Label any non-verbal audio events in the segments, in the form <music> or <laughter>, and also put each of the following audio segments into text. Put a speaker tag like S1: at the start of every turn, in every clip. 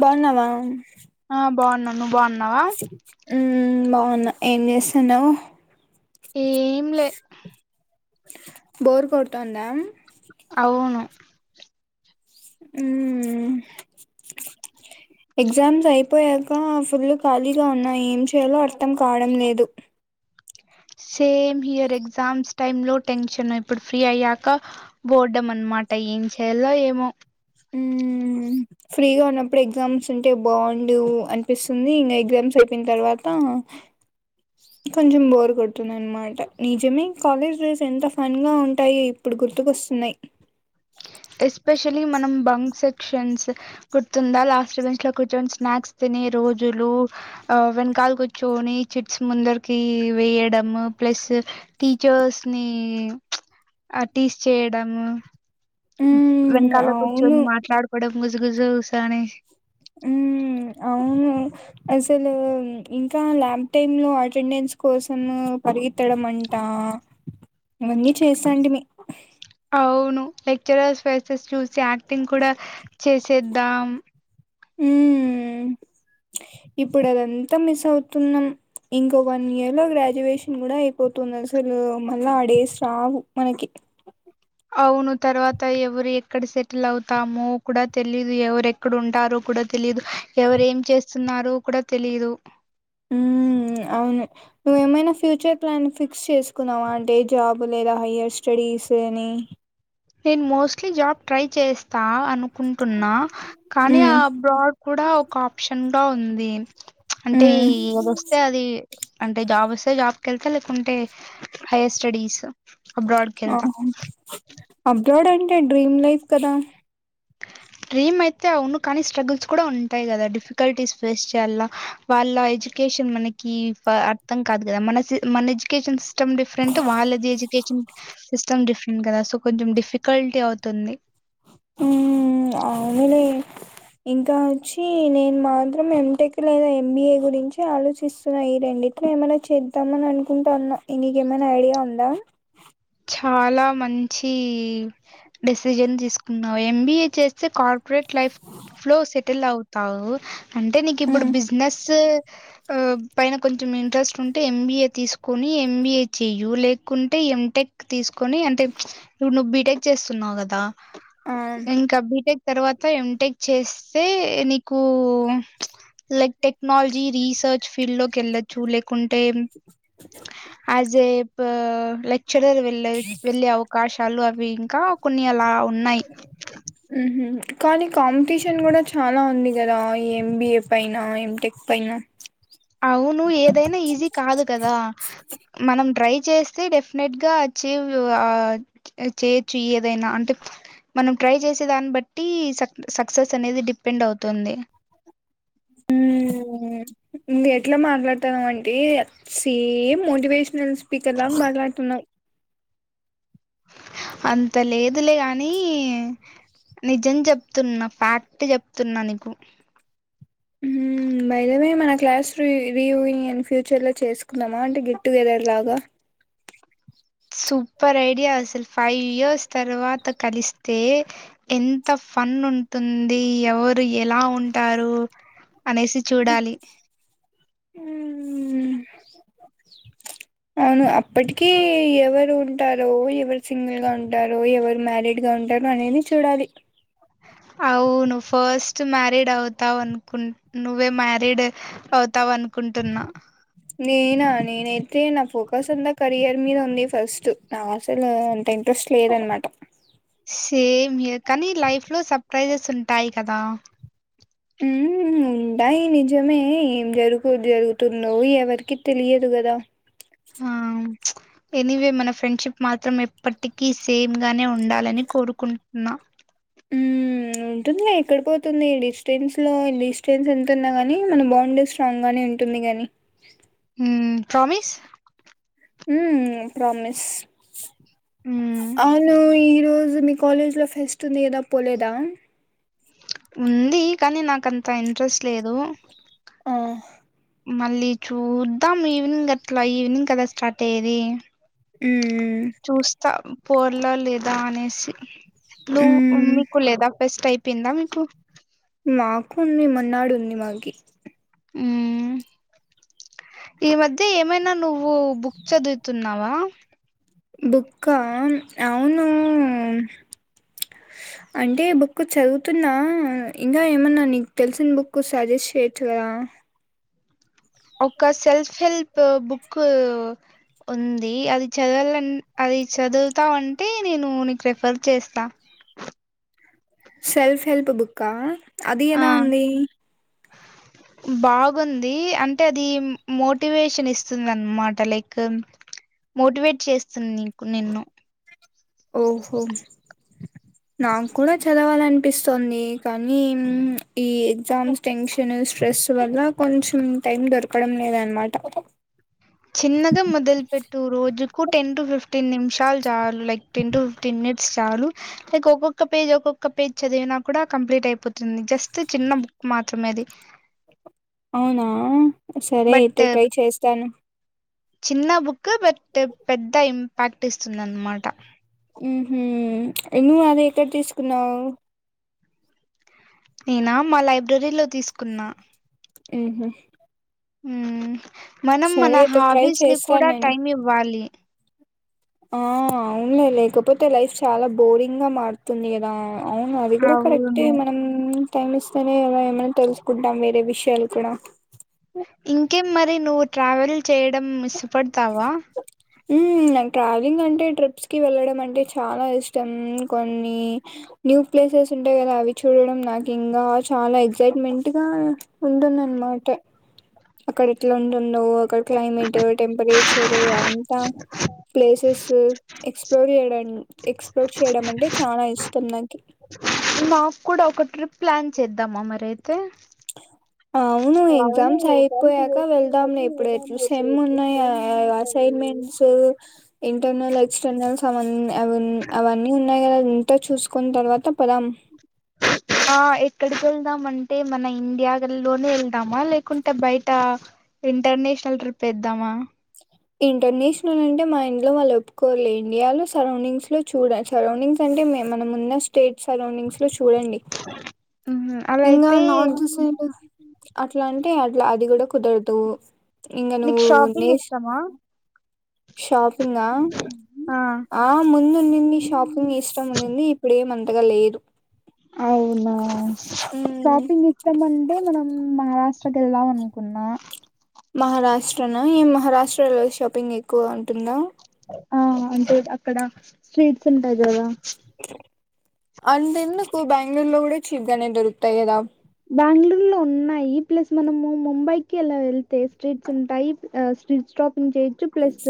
S1: బావున్నావా
S2: ఆ బాగున్నా నువ్వు బాగున్నావా
S1: హుమ్ బావుగున్నా ఏం చేసాన్నావు
S2: ఏంలే
S1: బోర్ కొడుతందా
S2: అవును
S1: హుమ్ ఎగ్జామ్స్ అయిపోయాక ఫుల్ ఖాళీగా ఉన్నాయి ఏం చేయాలో అర్థం కావడం లేదు
S2: సేమ్ హియర్ ఎగ్జామ్స్ టైమ్ లో టెన్షన్ ఇప్పుడు ఫ్రీ అయ్యాక బడ్డ మన్ అనమాట ఏం చేయాలో ఏమో
S1: హుమ్ ఫ్రీగా ఉన్నప్పుడు ఎగ్జామ్స్ ఉంటే బాగుండు అనిపిస్తుంది ఇంగ ఎగ్జామ్స్ అయిపోయిన తర్వాత కొంచెం బోర్ కొడుతుంది అనమాట నిజమే కాలేజ్ డ్రేస్ ఎంత ఫన్ గా ఉంటాయో ఇప్పుడు గుర్తుకొస్తున్నాయి
S2: ఎస్పెషల్లీ మనం బంక్ సెక్షన్స్ గుర్తుందా లాస్ట్ బెంచ్ లో కూర్చొని స్నాక్స్ తి నే రోజులు వెనకాల కూర్చని చిట్స్ ముందరకి వేయడం ప్ల స్ టీచర్స్ ని టీస్ చేయడం
S1: ఉమ్
S2: వెనకాల
S1: అవును
S2: కూర్చొని మాట్లాడుకోవడం గుజుగుజుస అని
S1: మ్మ్ అవును అసలు ఇంకా ల్యాబ్ టైమ్ లో అటెండెన్స్ కోస్ మ్ పరిగెత్తడం అంటా ఇవన్నీ చేసాటిమి
S2: అవును లెక్చరర్స్ ఫెసెస్ చూసి యాక్టింగ్ కూడా చేసేద్దాం
S1: మ్మ్ ఇప్పుడు అదంతా మిస్ అవుతున్నాం ఇంకా వన్ ఇయర్లో గ్ర డ్యువేషన్ కూడా అయిపోతుంది అసలు మళ్ళా ఆ డేస్ రావు మనకి
S2: అవును తర్వాత ఎవరు ఎక్కడ సెటిల్ అవుతామో కూడా తెలీదు ఎవరెక్కడుంటారో కూడా తెలీదు ఎవరేం చేస్తున్నారో కూడా తెలిదు
S1: ఉమ్మ్ మ్మ్ అవును నువ్వు ఏమైనా ఫ్యూచర్ ప్లాన్ ఫిక్స్ చేసుకున్నావా అంటే జాబ్ లేదా హైయర్ స్టడీ స్ అని
S2: నేన్ మోస్ట్లీ జాబ్ ట్రై చేస్ తా అనుకుంటున్నా కానీ
S1: ఉమ్
S2: అబ్రాడ్ కూడా ఒక ఆప్షన్ గా ఉంది అంటే
S1: ఉమ్
S2: ఏదొస్తే అది అంటే జాబ్ వస్తే జాబ్కి వెళ్తే లేకుంటే హయర్ స్టడీస్ అబ్రాడ్ కెల్తా
S1: బ్రాడ్ డంటే డ్రీమ్ లైఫ్ కదా
S2: డ్రీమ్ అయితే అవును కానీ స్ట్రగుల్స్ కూడా ఉంటాయి కదా డిఫికల్టీస్ ఫేస్ చేయాల వాళ్ళ ఎడ్యుకేషన్ మనకి ప అర్థం కాదు కదా మనసి మన ఎడ్యుకేషన్ సిస్టమ్ డిఫరెంట్ వాళ్ళది ఎడ్యుకేషన్ టీచింగ్ సిస్టమ్ డిఫరెంట్ కదా సో కొంచెం డిఫికల్టీ అవుతుంది
S1: మ్మ్ అవునే ఇంకా వచ్చి నేను మాత్రం ఎంటెక్ లేదా ఎంబిఏ గురించి ఆలోచిస్తున్నా ఈ రె డిట్లో ఏమైనా చేద్దామన అనుకుంటాన్న నీకేమైనా ఐడియా ఉందా
S2: చాలా మంచి డెసిజన్ తీసుకున్నావు ఎంబిఏ చేస్తే corporate life flow settle అవుతావు అంటే నీక్ ఇప్పుడు బిజినెస్ ఆ క పైన కొంచెం ఇంట్రెస్ట్ ఉంటే ఎంబీఏ తీసుకొని ఎంబీఏ చెయ్యు లేకుంటే ఎంటెక్ తీసుకొని అంటే ఇప్పుడు నువ్వు బిటెక్ చేస్తున్నావు కదా
S1: ఆ
S2: ఇంకా బిటెక్ తర్వాత ఎంటెక్ చేస్తే నీకు లైక్ టెక్నాలజీ రీసెర్చ్ ఫీల్డ్ లో కెళ్ళచ్చు లేకుంటే యాజ్ ఏ ప లెక్చరర్ వెళ్ళే వెళ్లి అవకాశాలు వి ఇంకా కొన్ని అలా ఉన్నాయి
S1: మ్హు కానీ కాంపిటీషన్ గుడా చాలా ఉంది కదా ఈ ఎంబిఏ పైన ఎంటెక్ పైన
S2: అవును ఏదైనా ఈజీ కాదు కదా మనం ట్రై చేస్తే డెఫినెట్‌గా అచీవ్ ఆ చేయొచ్చు ఏదైనా అ మనం ట్రై చేసే దాన్ బట్టి సక్ సక్సెస్ అనేది డిపెండ్ అవుతుంది <inaudible>
S1: మ్మ్ ఎట్లా మాట్లాడతాన్నావ్ అంటే సేమ్ మోటివేష ప్రిన్స్ స్పీకర్లా మాట్లాడుతున్నావ్
S2: అంత లేదులే కానీ మ్ నిజం చెప్తున్నా ఫ్యాక్ట్ చెప్తున్నా నీకు <inaudible>
S1: మ్మ్ బై ద బై మన క్లాస్ రి రీయూనియన్ ఫ్యూచర్ లో చేసుకుందమా అంటే గెట్టుగెదర్ లాగా
S2: సూపర్ ఐడియా అసలు ఫైవ్ ఇయర్స్ తర్వాత కలిస్తే ఎంత ఫన్ ఉంతుంది ఎవరు ఎలా ఉంటారు అనేసి చూడాలి
S1: మ్మ్
S2: <inaudible>
S1: అవును అప్పటికి ఎవరు ఉంటారో ఎవరు సింగిల్ గా ఉంటారో ఎవరు మ్యారీడ్ గ <unintelligible> ఉంటాం అనేది చూడాలి
S2: <inaudible> అవును ఫస్ట్ మ్యారీడ్ అవుతావ్ అనుకుం నువ్వే మ్యారీడ్ అవుతావ్ అన్ కుంటున్నా
S1: నేనా నేనైతే నా ఫోకస్ అంద కెరియర్ మీద ఉంది ఫస్ట్ నాకు అసల అంత ఇంట్రెస్ట్ లేదనమాట
S2: సేమ్ హే కానీ లైఫ్ లో సర్ప్రైజెస్ ఉంటాయి కదా
S1: ఆ <unintelligible> ఉ ఉంటాయి నిజమే ఏం జరుగు జరుగుతుందో ఎవరికి తెలియదు కదా
S2: ఆ ఎనీవే మన ఫ్రెండ్షిప్ మాత్రం ఎప్పటికీ సేమ్ గానే ఉండాలని కోరుకుంటున్నా
S1: ఉంటుంది ఎక్కడ పోతుంది ఈ డిస్టెన్స్ లో డిస్టెన్స్ ఎంత ఉన్నా గాని మన బాండ్ స్ట్రాంగ్ గాని ఉంటుంది స్తుంది కాగానీ
S2: ప్రమిస్
S1: హ ప్రమస్
S2: మ్మ్
S1: అను ఈరోజు జ మీ కాలేజ్ లో ఫెస్ట్ ఉంది ఏదా పోలేదా
S2: ఉంది కానీ నాక అంత ఇంట్రెస్ట్ లేదు
S1: ఆహా.
S2: మళ్ళీ చూద్దాం ఈవినింగ్ అట్లా ఈవినింగ్ కదా స్టార్ట్ అయ్యేది
S1: అ
S2: చూస్తా పోర్లా లేదా అనేసి నుప్పు
S1: ఉమ్
S2: మీకు లేదా ఫెస్ట్ అయి ందా మీకు
S1: మాకు ఉంది మన్నాడు ఉంది మాగ
S2: అ ఈ మధ్య ఏమైనా నువ్వు బుక్ చదువుతున్నావా
S1: బుక్కా అవును అంటే ఈ బుక్ చదువుతున్నా ఇంకా ఏమన్నా నీకు తెలిసిన బుక్ సజెస్ట్ చేయొచ్చు కదా
S2: ఒక సెల్ఫ్ హెల్ప్ బుక్ ఉంది అది చదవాలని అది చదువుతాంటే నేను నీకు రిఫర్ చేస్తా
S1: సెల్ఫ్ హెల్ప్ బుక్కా అది ఎలా ఉంది
S2: అ బాగుంది అంటే అది మోటివేషన్ ఇస్తుంది అన్నమాట లైక్ మోటివేట్ చేస్తుంది నీకు నిన్ను
S1: ఓహో నాకు కూడా చదవాల అనిపిస్తుంది కానీ ఈ ఎగ్జామ్స్ టెన్షన్ స్ట్రెస్ వల్ల కొంచెం టైం దొరకడం లేద అనమాట
S2: చిన్నగా మొదలు పెట్టు రోజు టెన్ టు ఫిఫ్టీన్ నిమిషాలు చాలు like ten to fifteen minutes చాలు లైక్ ఒక్కొక్క పేజ్ ఒక్క పేజ్ చదివినా కూడా కంప్లీట్ అయిపోతుంది జస్ట్ చిన్న బుక్ మాత్రమేది
S1: అవునా సరే అయితే ట్రై చేస్తాను
S2: చిన్న బుక్ బట్ పెద్ద ఇంపాక్ట్ ఇస్తుందినమాట
S1: హ ను ను్వు అది ఎక్కడ తీసుకున్నావు
S2: నేనా మా లైబ్రరీలో తీసుకున్నా
S1: మ్మ్ హ్మ్
S2: హ్మ్ మనం మన
S1: ట్రై
S2: హాబీస్ ని
S1: చేస్తాను
S2: కూడా
S1: నేను
S2: టైం ఇవ్వాలి
S1: ఆ అవునులే లేకపోతే లైఫ్ చాలా బోరింగ్ గా మారుతుంది కదా అవును అది కూడా కరెక్ట్
S2: అవును
S1: మనం టైమ్ ఇస్తేనే ఏమై ఏమైనా తెలుసుకుంటాం వేరే విషయాలు కూడా
S2: ఇంకేం మరి నువ్వు ట్రావెల్ చేయడం ఇష్టపడతావా
S1: ఉమ్ నేన్ ట్రావెలింగ్ అంటే ట్రిప్స్ కి వెళ్ళడం అంటే చాలా ఇష్టం కొన్ని న్యూ ప్లేస్ ప్లేసు ఉంటాయి కదా అవి చూడడం నాకు ఇంగా చాలా ఎగ్జైట్ మెంట్ గా ఉంటుంది అనమాట. అక్కడ ఇట్లా ఉండను ఉండవు అక్కడ క్లైమేట్ టెంపరేచర్ అవంతా ప్లేసెస్సు ఎక్స్ ఫ్లోర్ చేయడం ఎక్స్ప్లోర్ చేయడం అంటే చానా ఇష్టం నాకి
S2: మాక్కూడా ఒక ట్రిప్ ప్లాన్ చేద్దామా మరి అయితే
S1: అవును ఎగ్జామ్స్ అయిపోయాక
S2: వస్తే
S1: వెళ్దాంలే ఇప్పుడు
S2: అయితే వెళ్దాం
S1: ఎట్లు సేమ్ ఉన్నాయ్
S2: ఎప్పుడెప్పుడు
S1: అవి అ అసైన్ మెంట్స్
S2: వెళ్ళింటాను
S1: ఇంటర్నల్ ఎక్స్టర్నల్స్ అవన్నీ అవి అవన్నీ ఉన్నాయి కదా అంత చూసుకున్న తర్వాత పోదాం
S2: ఆ ఎక్కడికి వెళ్దాం అంటే మన ఇండియా లోనే వెళ్దామా లేకుంటే బయట ఇంటర్నేషనల్ ట్రిప్ వేద్దామా
S1: ఇంటర్నేషనల్ అంటే మా ఇంట్లో వాళ్ళు ఒప్పుకోరులే ఇండియాలో సరౌండింగ్స్ లో చూడు సరౌండింగ్స్ అం టే మే మనం ఉన్న స్టేట్ సరౌండింగ్స్ లో చూడండి
S2: ఉహు అలా
S1: ఇంగా
S2: అయితే
S1: నార్త్ సైడ్ అట్లా అంటే అట్లా అది కూడా కుదరదు ఇంగ
S2: నీకు
S1: నువ్వు
S2: షాపింగ్
S1: నేష్
S2: ఇష్టమా
S1: షాపింగా ఆ ముందున్నింది షాపింగ్ ఇష్టం ఉన్నింది ఇప్పుడు ఏమి అంతగా లేదు
S2: అవునా
S1: మ్మ్
S2: షాపింగ్ ఇష్టం అంటే మనం మహారా ష్ట్ర కెళ్దాం అనుకున్నా
S1: మహారాష్ట్రనా ఈ మహరాష్ట్రలో షాపింగ్ ఎక్కువ ఉంటుందా
S2: ఆ అంటే అక్కడ స్ట్రీట్స్ ఉంటాయి కదా
S1: అంతెందుకు బ్యాంగ్ళూరు లో కూడా చీప్ గానే దొరుకుతాయి కదా
S2: బ్యాంగ్ళూరు లో ఉన్నాయి ఈ ప్లస్ లో మనము ముంబైకి అలా వెళ్తే స్ట్రీట్స్ ఉంటాయి స్టీట్ స్టాపింగ్ చేయొచ్చు ప్లస్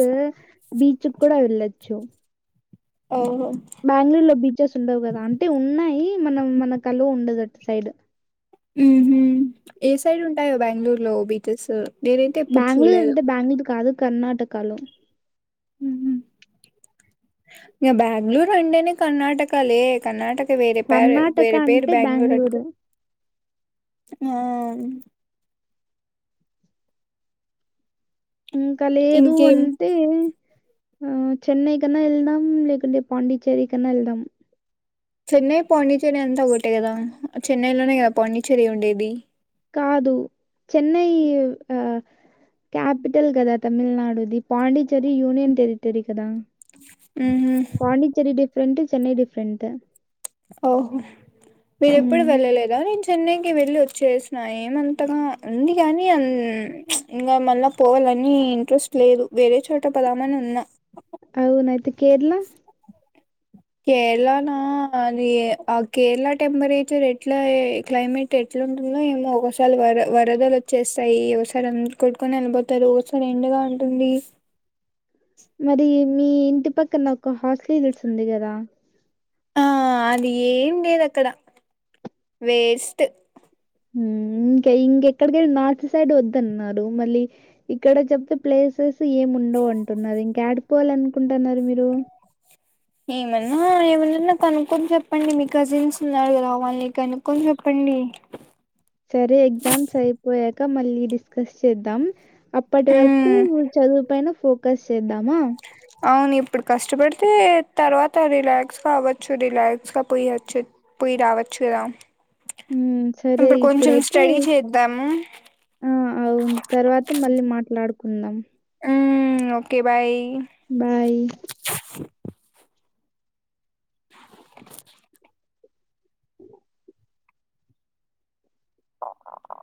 S2: బీచ్ కు కూడా వెళ్ళొచ్చు
S1: ఓహో
S2: బ్యాంగ్ళూరులో బీచెస్ ఉండవు కదా ఆంటీ ఉన్నాయి మనం మన కల్ల ఉండదు అటు సైడ్
S1: ఊహూ ఏ సైడ్ ఉంటాయో బ్యాంగ్ళూరు లో బీచెస్ నేనైతే ఎప్పుడు
S2: బ్యాంగ్ళూరు
S1: చూడలేదు
S2: అంటే బ్యాంగ్ళూరు లో కాదు కర్ణాటకలో
S1: ఊహూ ఇక బ్యాంగ్ళూరు అంటేనే కర్ణాటక లే కర్ణాట వేరే ప్యారు
S2: కర్ణాటక
S1: వేరే పేరు
S2: అంటే
S1: బ్యాంగ్ళూరు అనుకో
S2: బెంగళూరు.
S1: ఆ
S2: ఇంక లేదు
S1: ఇంకేం
S2: అంటే ఆ చెన్నై కన్నా ఎళ్దాం లేకుంటే పాండిచ్చేరి కన్నా ఎళ్దాం
S1: చెన్నై పాండిచ్చేరి అంతా ఓటే కదా చెన్నైలోనే గా పాండిచ్చేరి ఉండేది
S2: కాదు చెన్నై ఆ క్యాపిటల్ కదా తమిళనాడు ది పాండిచ్చెర్రి యూనియన్ టెరిటరీ కదా
S1: ఉహు
S2: పాండిచ్చెర్రి డిఫరెంట్ చెన్నై డిఫరెంట్
S1: ఓహో మీరు ఎప్పుడూ
S2: ఉమ్,
S1: వెళ్ళలేదా నేను చెన్నైకి వెళ్ళి వొ చేసిన ఏమంతగా ఉంది కానీ అ ఇంకా మళ్ళీ పోవాలని ఇంట్రెస్ట్ లేదు వేరే చోట పోదామని ఉన్నా
S2: అవునైతే కేరళ
S1: కేరళ నా అది ఆ కేరళ టెంపరేచర్ ఎట్లా క్లైమేట్ ఎ ఎట్లుంటుందో ఏమో ఒకసారి వర వరదలు వచ్చేస్తాయి ఒసారి అ కొట్టుకొని ఎళ్ళిపోతారు ఒకసారి ఏం ఎండగా ఉంటుంది
S2: మరి మీ ఇంటి పక్కన ఒక హార్స్లీ హిల్స్ ఉంది గదా
S1: ఆ అది ఏం లేదు అక్కడ వేస్ట్
S2: ఉమ్ ఇంకా ఇంకెక్కడిక వెెళ్ళి నార్త్ సైడ్ వద్దన్నారు. మళ్ళీ ఇక్కడ చెప్తే ప్లేసెస్ ఏం ఉండవు అంటున్నారు ఇంకా ఆడుపోవాల అనుకుంటున్నారు మీరు
S1: ఏమన్నా ఏమన్నాన్నా కనుక్కొని చెప్పండి మీ కజిన్స్ ఉన్నారుగదా వాళ్ళని కనుక్కొని చెప్పండి ఉమ్
S2: సరే ఎగ్జామ్స్ అయిపోయాక మళ్ళీ డిస్కస్ చేద్దాం. అప్పటి వరకు
S1: ఉమ్
S2: చదువు పైన ఫోకస్ చేద్దామా!
S1: అవును ఇప్పుడు కష్టపడితే తర్వాత రిలాక్స్ గా అవ్వచ్చు రిలాక్స్ గా పోయొచ్చు. పోయి రావచ్చు కదా
S2: ఉమ్, సరే
S1: ఇప్పుడు కొంచెం
S2: ఇప్పుడైతే
S1: స్టడీ చేద్దాము.
S2: ఆ అవును తర్వాత మళ్ళీ మాట్లాడుకుందాం.
S1: Um okay bye.
S2: బాయ్.
S1: ఆ